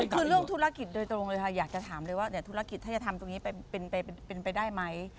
คือเรื่องธุรกิจโดยตรงเลยค่ะอยากจะถามเลยว่าธุรกิจถ้าจะทำตรงนี้เป็นไปได้ไหม